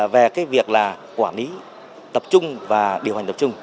về cái việc là quản lý tập trung và điều hành tập trung